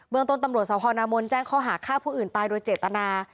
เมืองต้นตำรวจสพนามนแจ้งข้อหาฆ่าผู้อื่นตายโดยเจตนา